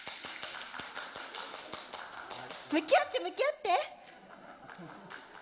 向き合って向き合って。